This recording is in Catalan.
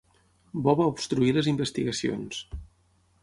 Bo va obstruir les investigacions.